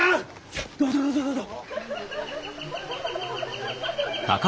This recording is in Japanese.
さあどうぞどうぞどうぞ！